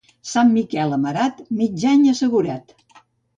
Sant Miquel amarat, mig any assegurat.